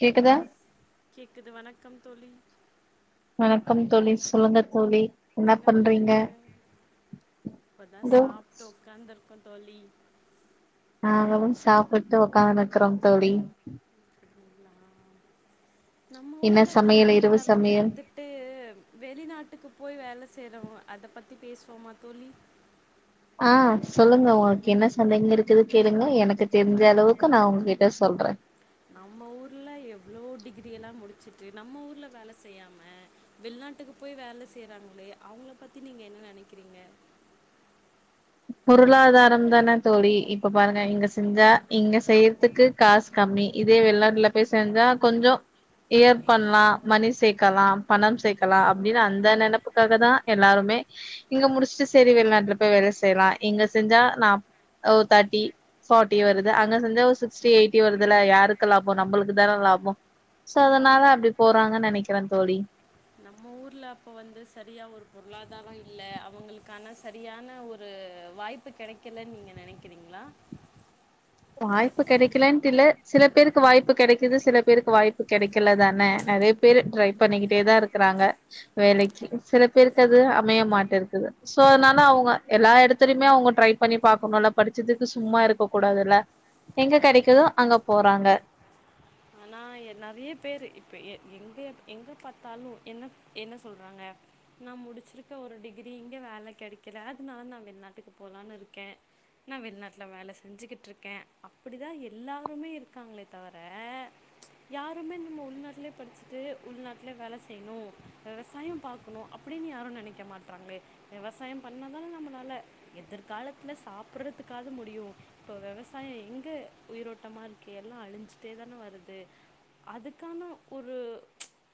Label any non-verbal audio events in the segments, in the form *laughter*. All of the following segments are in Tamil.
கேக்குதா கேக்குது வணக்கம் தோழி வணக்கம் தோழி சொல்லுங்க தோழி என்ன பண்றீங்க இப்பதா இதோ சாப்ட்டு ஒக்காந்திருக்கோ தோழி நாங்களும் சாப்புட்டு ஒக்காந்திருக்குறம் தோழி அப்டிங்களா நம்ம என்ன ஊர்ல சமையல் கல்விய இரவு சமையல் கற்பிர்த்து ட்டு வெளிநாட்டுக்கு போய் வேல செய்றவங்க அத பத்தி பேசுவோமா தோழி ஆ சொல்லுங்க உங்களுக்கு என்ன சந்தேகம் இருக்குது கேளுங்க எனக்கு தெரிஞ்ச அளவுக்கு நா உங்ககிட்ட சொல்றே நம்ம ஊர்ல எவ்ளோ டிகிரி எல்லா முடிச்சுட்டு நம்ம ஊர்ல வேல செய்யாம வெளிநாட்டுக்கு போய் வேல செய்றாங்களே அவுங்கள பத்தி நீங்க என்ன நெனைக்கிறீங்க பொருளாதாரம் தான தோழி இப்ப பாருங்க இங்க செஞ்சா இங்க செய்றதுக்கு காஸ் கம்மி இதே வெளிநாட்டுல போய் செஞ்சா கொஞ்சோ இயர் பண்லா மணி சேக்கலா பணம் சேக்கலா அப்டின்னு அந்த நெனப்புக்காக தா எல்லாருமே இங்க முடிச்சுட்டு செரி வெளிநாட்டுல போய் வேல செய்யலா இங்க செஞ்சா நா ஒரு தாட்டி ஃபாட்டி வருது அங்க செஞ்சா ஒரு சிக்ஸ்டி எயிட்டி வருதுல யாருக்கு லாபோ நம்மளுக்கு தான லாபோ சோ அதனால அப்டி போறாங்கனு நெனைக்கற தோழி நம்ம ஊர்ல அப்ப வந்து சரியா ஒரு பொருளாதாரோ இல்ல அவங்களுக்கான சரியான ஒ து வாய்ப்பு கெடைக்கலன்னு நீங்க நெனைக்கிறீங்களா வாய்ப்பு கெடைக்கலன்டு இல்ல சில பேருக்கு வாய்ப்பு கெடைக்குது சில பேருக்கு வாய்ப்பு கெடைக்கல தான நறைய பேரு ட்ரை பண்ணிக்கிட்டே தா இருக்கறாங்க வேலைக்கி சில பேருக்கு அது அமைய மாட்டேர்க்குது சோ அதனால அவுங்க எல்லா எடத்துலயுமே அவுங்க ட்ரை பண்ணி பாக்கணுல்ல படிச்சதுக்கு சும்மா இருக்க கூடாதுல எங்க கெடைக்குதோ அங்க போறாங்க அ நா எ நறைய பேரு இப்ப எ எங்க எங்க பாத்தாலு என்னப் என்ன சொல்றாங்க நா முடிச்சிருக்க ஒரு டிகிரி இங்க வேல கெடைக்கல அதுனா நா வெளிநாட்டுக்கு போலானு இருக்கே நா வெளிநாட்டுல வேல செஞ்சுக்கிட்டுருக்கே அப்படி தா எல்லாருமே இருக்காங்களே தவர யாருமே நம்ம உள்நாட்டுலயே படிச்சுட்டு உள்நாட்டுலே வேல செய்ணு விவசாயோ பாக் கனு அப்படின்னு யாரு நெனைக்க மாட்றாங்களோ விவசாயோ பண்ணுனா தானே நம்மனால எதிர்காலத்துல சாப்படுறதுக்காது முடியு இப்ப விவசாயோ எங்க உயிரோட்டமா இருக்கு எல்லா அழிஞ்சிட்டே தான வரு து அதுக்கான ஒரு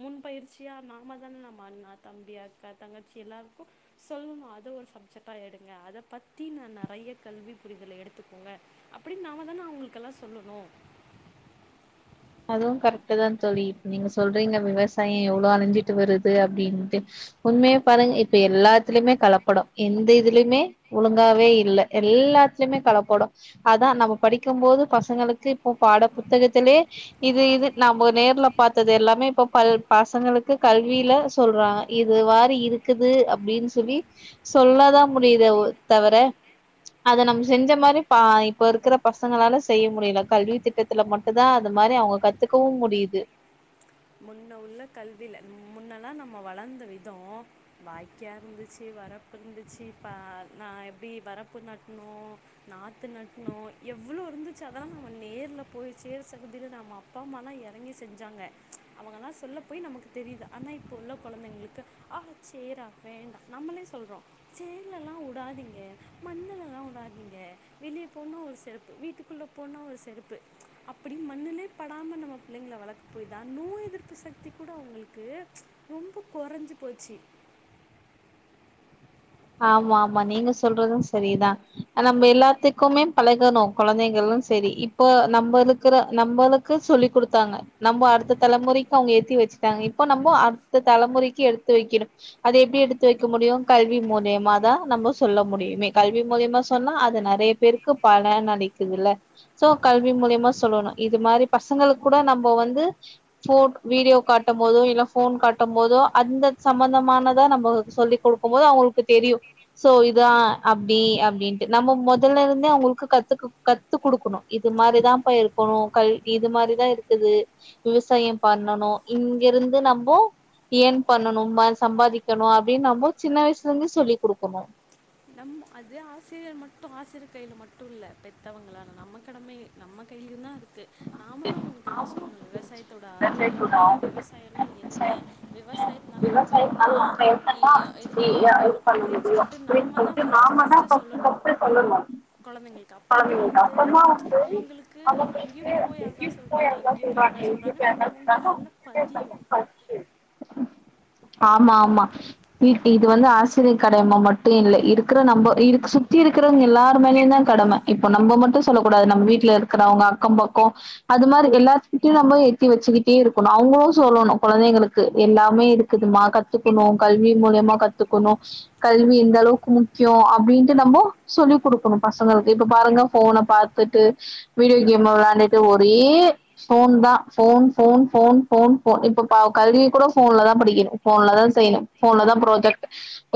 முன்பயிற்சியா நாம தான நம்ம அண்ணா தம்பி அக்கா தங்கச்சி எல்லாருக்கு சொல்லலா அது ஒரு சப்ஜெட்டா எடுங்க அத பத்தி நா நறையா கல்வி புரிதல எடுத்துக்கோங்க அப்படின்னு நாம தான அவங்களுக்கெல்லா சொல்லுணு அதுவு கரெக்ட்டு தா தோழி இப்ப நீங்க சொல்றீங்க விவசாயோ எவ்ளோ அழிஞ்சிட்டு வருது அப்டின்ட்டு உண்மைய பாருங் இப்ப எல்லாத்துலயுமே கலப்படோ எந்த இதுலயுமே ஒழுங்காவே இல்ல எல்லாத்துலயுமே கலப்படோ அதா நம்ம படிக்கு போது பசங்களுக்கு இப்போ பாட புத்தகத்துலே இது இது நம்ம நேர்ல பாத்தது எல்லாமே இப்ப பல் பசங்களுக்கு கல்வியில சொல்றாங்க இது வாரி இருக்குது அப்டின்னு சொல்லி சொல்லதா முடிதே ஒ தவர அத நம்ம செஞ்ச மாரி பா இப்ப இருக்கற பசங்களால செய்ய முடியல கல்வி திட்டத்துல மட்டு தா அத மாரி அவங்க கத்துக்கவு முடிது முன்ன உள்ள கல்வில முன்னல்லா நம்ம வளந்த விதோ வாய்க்கா இருந்துச்சு வரப்பு இருந்துச்சு ப்ப நா எப்டி வரப்பு நட்னு நாத்து நட்னோ எவ்ளோ இருந்துச்சு அதெல்லா நம்ம நேர்ல போய் சேர் சகுதியில நாம அப்பா அம்மாலா எறங்கி செஞ்சாங்க அவங்களா சொல்ல போய் நமக்கு தெரிது அனா இப்ப உள்ள கொழந்தைங்களுக்கு ஆஹா சேர்ரா வேண்டா நம்மளே சொல்றோ சேர்லல்லா உடாதீங்க மண்ணுலல்லா உடாதீங்க வெளிய போனா ஒரு செருப்பு வீட்டுக்குள்ள போனா ஒரு செருப்பு அப்டி மண்ணுலே படாம நம்ம பிள்ளைங்கள வளக்க போயி தா நோய் எதிர்ப்பு சக்தி கூட அவுங்களுக்கு ரொம்ப கொறஞ்சி போச்சு ஆமா ஆமா நீங்க சொல்றது செரிதா நம்ம எல்லாத்துக்குமே பழகணு கொழந்தைகளு செரி இப் போ நம்மருக்ற நம்மளுக்கு சொல்லி் குடுத்தாங்க நம்ம அடுத்த தலைமுறைக்கு அவுங்க எத்தி வச்சுட்டாங்க இப்போ நம்ம அடுத்த தலைமுறைக்கு எடுத்து வைக்கணு அது எப்டி எடுத்து வைக்க முடியு கல்வி முல் லியாமா தா நம்ம சொல்ல முடியுமே கல்வி மூலியமா சொன்னா அது நெறய பேருக்கு பலன் அளிக்குதுல்ல சோ கல்வி மூலியமா சொல்லணு இது மாரி பசங்களுக்கு கூட நம்ம வந்து *unintelligible* வீடியோ காட்டபோது இல்ல ஃபோன் காட்டபோதோ அந்த சம்பந்தமானதா நம்ம சொல்லி குடுக்குபோது அவுங்களுக்கு தெரியு சோ இதா அப்டி அப்டின்ட்டு நம்ம மொதல்ல இருந்தே அவுங்களுக்கு கத்துக்க கத் த்து குடுக்கணு இது மாரிதாப்பா இருக்கணு கல் இது மாரிதா இருக்குது விவசாயோ பண்ணணு இங்கெருந்து நம்போ எர்ன் பண்ணனும்னா சம்பாதிக்கணு அப்டின்னு நம்ம சின்ன வயசுல இருந்தே சொல்லிக் குடுக்கணு நம்ம அது ஆசிரியர் மட்டு ஆசிரியர் கையில மட்டு இல்ல பெத்தவங்களான நம்ம கடமயு நம்ம கையிலயு தா இருக்கு நாமளு அவுங்களுக்கு சொல்லணும்ல விவசாயத்தோட அரும என்ன விவசா விவசாயம்ன்னா என்ன விவசாயத்தனால நம்ம என்னல்லா ஈ ய இது பண்ண முடியு அப்டின்னு சொல்ட் டு நாம தா ஃபர்ஸ்ட் ஃபர்ஸ்ட்டு சொல்லணு கொழந்தைங்களுக்கு அப்ப தா வந்து அவுங்களுக் கு அங்கே போய் அதா சொல்றாங்க இங்கே போய் அதா சொல்றாங்கன்னு அவுங்க மண்டைல நல்லா பதியு ஆமா ஆமா இது வந்து ஆசிரிய கடம மட்டு இல்ல இருக்குற நம்ப சுத்தி இருக்றவங்க எல்லாரு மேலயு தா கடம இப்ப நம்ப மட்டு சொல்லக்கூடாது நம்ம வீட்ல இருக்கிறவங்க அக்கோ பக்கோ அது மாரி எல்லாத்துக்கிட்டயு நம்ப எத்தி வச்சுக்கிட்டே இருக்கணு அவுங்களு சொல்லணு கொழந்தைங்களுக்கு எல்லாமே இ ருக்குதுமா கத்துக்கணு கல்வி மூலியமா கத்துக்கணு கல்வி எந்த அளவுக்கு முக்கியோ அப்டின்ட்டு நம்போ சொல்லிக் குடுக்கணு பசங்களுக்கு இப்ப பாருங்க ஃபோன பாத் துட்டு வீடியோ கேம வெளாண்டுட்டு ஒரே ஃபோன் தா phone phone phone phone phone இப்ப பா கல்விய கூட ஃபோன்ல தா படிக்கணு ஃபோன்ல தா செய்யணு ஃபோன்ல தா ப்ராஜெக்ட்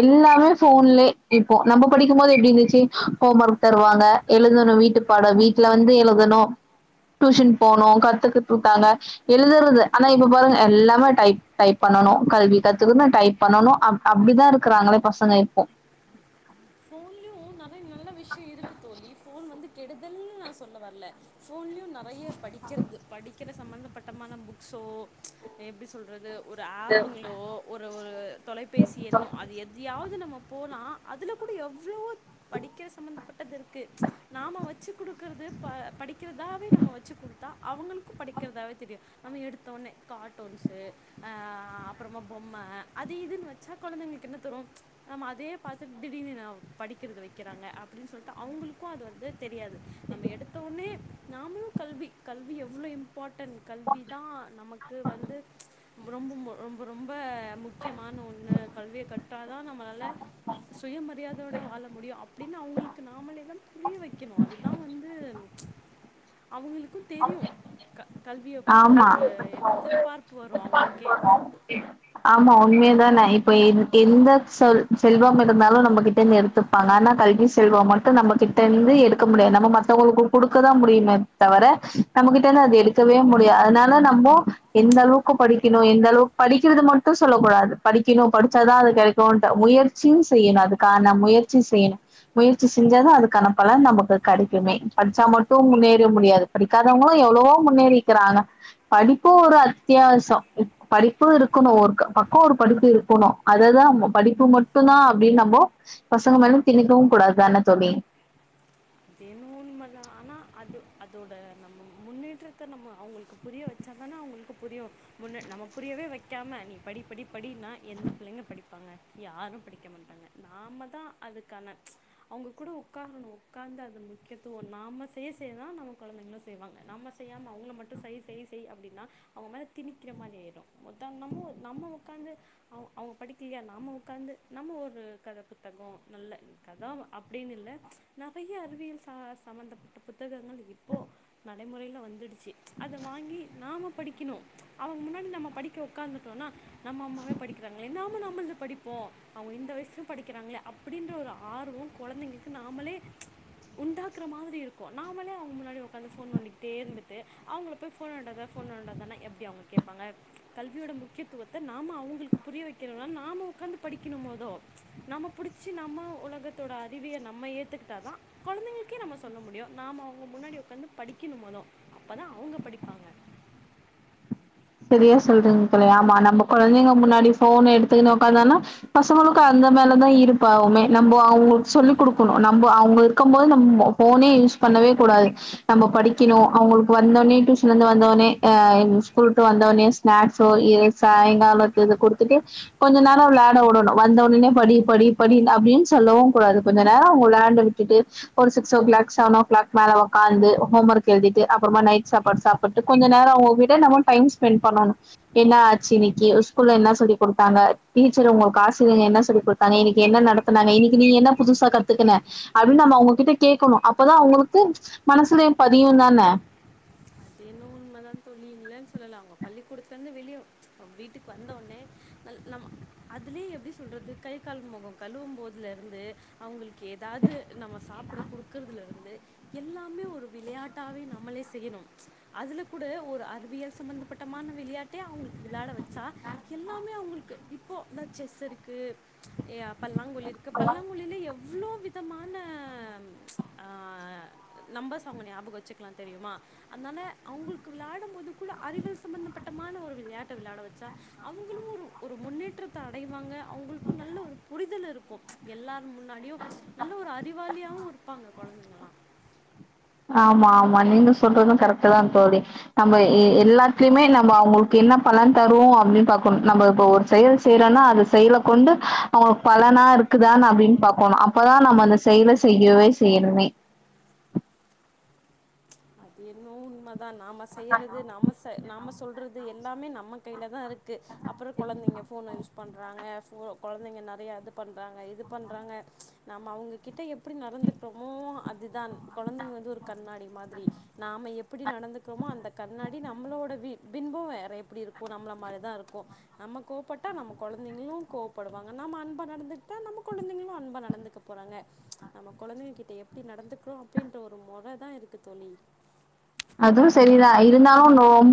எல்லாமே போன்லயே இப்போ நம்ப படிக்குபோது எப்டி இருந்துச்சு ஹோம் ஒர்க் தருவாங்க எழுதணு வீட்டு பாடோ வீட்டுல வந்து எழுதணு டியூஷன் போணு கத்துக்கட்டுருப்பாங்க எழுதுறது ஆனா இப்ப பாருங்க எல்லாமே டைப் டைப் பண்ணனு கல்வி கத்துக்கண்ணு டைப் பண்ணனு அப் அப்டிதா இருக்குறாங்களே பசங்க இப்போ ஃபோன்லயு நெறய நல்ல விஷ்யோ இருக்கு தோழி ஃபோன் வந்து கெடுதல்ன்னு நா சொல்ல வர்ல ஃபோன்லயு நெறய படிக்கிறது படிக்கிற சம்பந்தப்பட்டமான புக்ஸோ எப்டி சொல்றது ஒரு ஆப்புங்களோ ஒரு ஒரு தொலைபேசி எண்ணோ அது எது துயாவ்து நம்ம போனா அதுல கூட எவ்ளோ படிக்கிற சம்பந்தப்பட்டதுருக்கு நாம வச்சு குடுக்குறது ப படிக்கிறதாவே நம்ம வச்சு குடுத்தா அவுங்களுக்கு படிக்கிறதாவே தெரியு நம்ம எடுத்த ஒண்ணே கார்ட்டூன்ஸு ஆ ஆ அப்றமா பொம்ம அது இதுன்னு வச்சா கொழந்தைங்களுக்கு என்ன தரு நம்ம அதே பாத்துட் திடீர்ன்னு நா படிக்கறது வக்கிறாங்க அப்டின்னு சொல்ட்டு அவுங்களுக்கு அது வந்து தெரியாது நம்ம எடுத்த ஒன்னே நாம்ளு கல்வி கல்வி எவ்ளோ இம் பார்ட்டன்ட் கல்வி தா நமக்கு வந்து ப்ச் ரொம்ப ரொம்ப ரொம்ப முக்கியமான ஒண்ணு கல்விய கற்றா தா நம்மளால சுயமரியாதயோடு வாழ முடியு அப்டின்னு அவங்களுக்கு நாமளே தா புரிய வெக்கணு அதுதா வந்து அவங்களுக்கு தெரி க கல்விய பத்துன ஆமா. ஒரு எதிர்பார்ப்பு வரும் அவூங்ளுக்கே அப்டி ஆமா உண்மையதானே இப்ப எந்த எந்த சொல் செல்வம் இருந்தாலு நம்மகிட்டந்து எடுத்து பாங்க ஆனா கல்வி செல்வம் மட்டும் நம்ம கிட்ட இருந்து எடுக்க முடியாது நம்ம மத்தவங்களுக்கு கொடுக்கதா முடியுமேத் தவர நம்ம கிட்டேந்து அத எடுக் கவே முடியாது அதனால நம்மோ எந்த அளவுக்கு படிக்கணு எந்த அளவுக்கு படிக்கிறது மட்டும் சொல்லக் கூடாது படிக்கணு படிச்சாதா அது கெடைக்கும்ன்டு முயற்சியு செய்யணு அதுக்கான முயற்சி செய்யணு முயற்சி செஞ்சாதா அதுக்கனா பலன் நமக்கு கெடைக்குமே படிச்சா மட்டும் முன்னேற முடியாது படிக்காதவங்களு எவ்ளவோ முன்னேறிக்கிறாங்க படிப்பு ஒரு அத்தியாவசோ படிப்பு இருக்கணு ஒருக் பக்கோ ஒரு படிப்பு இருக்கணு அததா படிப்பு மட்டும்தா அப்டின்னு நம்போ பசங்க மேல திணிக்கவு கூடாதுதான தோழி து என்னவோ உண்மதா ஆனா அது அதோட நம்ம முன்னேற்றத்த நம்ம அவ்ங்ளுக்கு புரிய வெச்சா தானா அவ்ங்ளுக்கு புரியு முன்ன நம்ம புரியவே வெக்காம நீ படி படி படினா எந்த பிள்ளைங்க படி ப்பாங்க யாரு படிக்க மாட்டாங்க நாம தா அதுக்கான அவங்க கூட உக்காரணு உக்கார்ந்து அது முக்கியத்துவோ நாம செய்ய செய் தா நம்ம கொழந்தைங்களும் செய்வாங்க நாம செய்யாமா அவுங்கள மட்டு சை செய் செய் அப்டின்னா அவங்க மேல திணிக்கிற மாதிரி ஆயிடு மொத்தம் நம்மோ நம்ம உக்காந்து அவங்க அவங்க படிக்கலையா நாம உக்காந்து நம்ம ஒரு கதை புத்தகோ நல்ல கத அப்டின்னு இல்ல நெறைய அறிவியல் ச சம்பந்தப்பட்ட புத்தகங்கள் இப்போ நடைமுறைல வந்துடுச்சி அத வாங்கி நாம படிக்கணு அவங்க முன்னாடி நம்ம படிக் க உக்கார்ந்துட்டோனா நம்ம அம்மாவே படிக்கிறாங்களே நாம நாம நம்முள்து படிப்போ அவங்க இந்த வயசுலு படிக்கிறாங்களே அப்டின்ற ஒரு ஆர்வோ கொழந்தைங்களுக்கு நாமளே உண்டாக்குற மாதிரி இருக்கு நாமளே அவங்க முன்னாடி உக்கார்ந்து போன் நென்டிட்டே இருந்துட்டு அவங்கள போன் நோன்டாத போன் நோன்டாத எப்டி அவங்க கேப்பாங்க கல்வியோட முக்கியத்துவத்த நாம அவ்ங்களுக்கு புரிய வெக்கிறனால் நாம உக்கார்ந்து படிக்கணு மொதோ நம்ம புடிச்சி நம்ம உலகத்தோட அறிவிய நம்ம ஏத்துக் கிட்டா தா கொழந்தைங்களுக்கே நம்ம சொல்ல முடியு நா அவங்க முன்னாடி உக்காந்து படிக்கணு மொதோ அப்பதா அவுங்க படிப்பாங்க சரியா சொல்றீங்க தோழி ஆமா நம்ம கொழந்திங்க முன்னாடி போன் எடுத்துக்குனு உக்காந்தானா பசங்களுக்கு அந்த மேலதா ஈர்ப்பு ஆவுமே நம்போ அவங்களுக்கு சொல்லிக் குடுக்கணு நம்போ அவங்க இருக்கு போது நம்மோ போனே யூஸ் பண்ணவே கூடாது நம்ம படிக்கணு அவ்ங்களுக்கு வந்தோனே டியூஷன்ல இருந்து வந்தோனே அ‌ எங்க ஸ்கூல் வந்தோனே ஸ்நாக்ஸோ இ சாயங்காலோ இத குடுத்துட்டு கொஞ்ச நேரோ விளாட வுடணு வந்த உடனோ படி படி படி அப்டின்னு சொல்லவு கூடாது கொஞ்ச நேரோ வுளாண்ட்ட விட்டுட்டு ஒரு six o'clock seven o'clock மேல வக்காந்து ஹோம் ஒர்க் எழுதிட்டு அப்புறமா நைட் சாப்பாடு சாப் பட்டு கொஞ்ச நேரோ அவங்க கூட நம்ம டைம் ஸ்பெண்ட் பண்ணணு என்ன ஆச்சு இனைக்கி ஸ்கூல்ல என்ன சொல்லி குடுத்தாங்க டீச்சர் உங்களுக்கு ஆசிரியங்க என்ன சொல்லிக் குட் தாங்க இன்னைக்கி என்ன நடத்தனாங்க இன்னைக்கி நீ என்ன புதுசா கத்துக்கன அப்டின் நம்ம அவங்ககிட்ட கேட்கணு அப்பதா அவுங்களுக்கு மனசுல பதியுந் தானே து‌ என்னவோ உண்மதா தோழி இல்லேன் சொல்லலா அவ்ங்க பள்ளிக்கூடத்துலேருந்து வெளியே வீட்டுக்கு வந்தவொன்னே ந நம் அதுலே எப்டி சொல்றது கை கால் முகம் கழுவும் போதும் லருந்து அவங்களுக்கு ஏதாது நம்ம சாப்ட குடுக்கறதுல இருந்து எல்லாமே ஒரு விளையாட்டாவே நம்மளே செய்யணு அதுல கூட ஒரு அறிவியல் சம்பந்தப்பட்டமான விளையாட்ட அவங்களுக்கு விளையாட வச்சு எல்லாமே அவங்களுக்கு இப்போ தா செஸ் இருக்கு பல்லாங்குழி இருக்கு பல்லாங்குழில எவ்வளோ விதமான நம்பர்ஸ் அவங்க ஞாபகம் வச்சுக்கலாம் தெரியுமா அனால அவங்களுக்கு விளாடும் போதுக்கூட அறிவியல் சம்மந்தப்பட்டமான ஒரு விளையாட்ட விளையாட வெச்சா அவங்களும் ஒரு ஒரு முன்னேற்றத்த அடைவாங்க அவங்களுக்கும் நல்ல ஒரு புரிதல் இருக்கு எல்லார் முன்னாடியும் நல்ல ஒரு அறிவாளியாவும் இருப்பாங்க கொழந்தைகள்லாம் ஆமா ஆமா நீங்க சொல்றதும் கரெக்ட் தா தோழி நம்ம எல்லாத்துலயுமே நம்ம அவங்களுக்கு என்ன பலன் தருவோம் அப்டின்னு பாக்கணு நம்ம இப்ப ஒரு செயல் செய்யறோன்னா அது செயல கொண்டு அவங்க பலனா இருக்குதான்னு அப்டின்னு பாக்கோணு அப்பதா நம்ம அந்த செயல செய்யவே செய்யணுமே அது என்னவோ உண்மதா நாம செய்யறது நாம நாம சொல்றது எல்லாமே நம் ம கைல தா இருக்கு அப்றம் கொழந்தைங்க ஃபோன யூஸ் பண்றாங்க ஃபோ கொழந்தைங்க நறைய அது பண்றாங்க இது பண்றாங்க நாம அவங்ககிட்ட எப்டி நடந்துக்கறோமோ அதுதா கொழந்தங்க வந்து ஒரு கண்ணாடி மாதிரி நாம எப்டி நடந்துக்கறோமோ அந்த கண்ணாடி நம்மளோட வி பின்பம் வேற எப்டி இருக்கும் நம்மள மாரிதா இருக்கும் நம்ம கோப்பட்டா நம்ம கொழந்தைங்களும் கோப்படுவாங்க நம்ம அன்பா நடந்துட்டா நம்ம கொழந்தைகளும் அன்பா நடந்துக்க போறாங்க நம்ம கொழந்தைங்க கிட்ட எப்டி நடந்துக்கறோம் அப்டின்ற ஒரு மொற தா இருக்கு தோழி அதுவும் சரிதா இருந்தாலும் நோம்